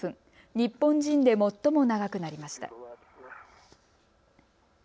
日本人で最も長くなりました。